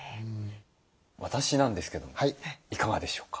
私なんですけどもいかがでしょうか？